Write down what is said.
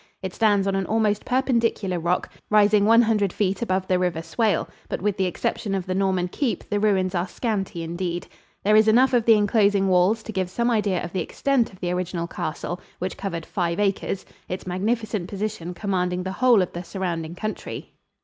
It stands on an almost perpendicular rock, rising one hundred feet above the River Swale, but with the exception of the Norman keep the ruins are scanty indeed. There is enough of the enclosing walls to give some idea of the extent of the original castle, which covered five acres, its magnificent position commanding the whole of the surrounding country.